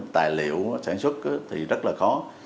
tài liệu sản xuất thì rất là khó